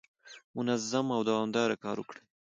منظم او دوامداره کار وکړئ.